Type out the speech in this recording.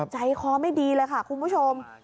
ใจคอไม่ดีเลยค่ะคุณผู้ชม